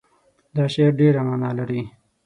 دا شعر ډېر معنا لري.